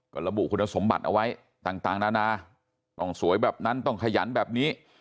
ก็ระบุคุณสมบัติเอาไว้ต่างนานาต้องสวยแบบนั้นต้องขยันแบบนี้